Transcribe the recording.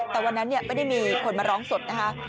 แต่วันนั้นไม่ได้มีคนมาร้องสดนะคะ